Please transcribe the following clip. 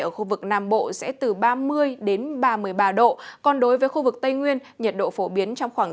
ở khu vực nam bộ sẽ từ ba mươi ba mươi ba độ còn đối với khu vực tây nguyên nhiệt độ phổ biến trong khoảng